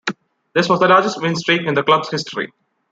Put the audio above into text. This was the largest win streak in the club's history.